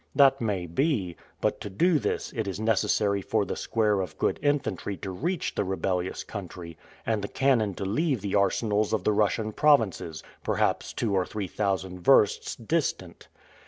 That may be; but to do this it is necessary for the square of good infantry to reach the rebellious country, and the cannon to leave the arsenals of the Russian provinces, perhaps two or three thousand versts distant.